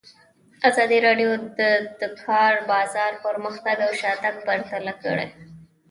ازادي راډیو د د کار بازار پرمختګ او شاتګ پرتله کړی.